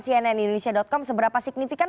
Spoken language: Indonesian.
cnn indonesia com seberapa signifikan